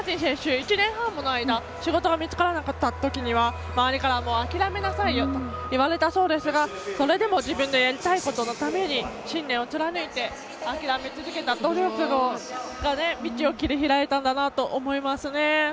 １年半もの間仕事が見つからなかったときは周りから諦めなさいよと言われたそうですがそれでも自分がやりたいことのために信念を貫いて諦めなかった努力が道を切り開いたんだなと思います。